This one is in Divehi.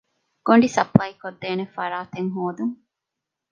ގޮނޑި ސަޕްލައިކޮށްދޭނެ ފަރާތެއް ހޯދުން